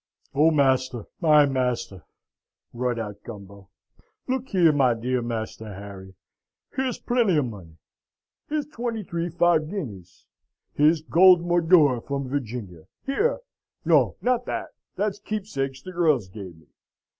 "Oh, master, my master!" roared out Gumbo. "Look here, my dear Master Harry! Here's plenty of money here's twenty three five guineas. Here's gold moidore from Virginia here no, not that that's keepsakes the girls gave me.